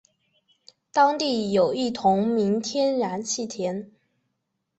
当地有一同名天然气田。